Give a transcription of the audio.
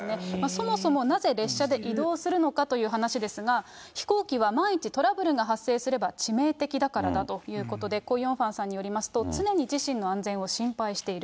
そもそもなぜ列車で移動するのかという話ですが、飛行機は万一トラブルが発生すれば、致命的だからだということで、コ・ヨンファさんによりますと、常に自身の安全を心配している。